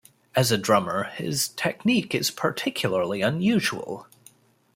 As a drummer, his technique is particularly unusual.